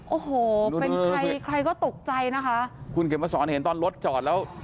โอ้โหเป็นใครใครก็ตกใจนะคะคุณเข็มมาสอนเห็นตอนรถจอดแล้ว